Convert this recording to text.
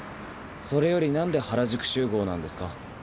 それよりなんで原宿集合なんですか？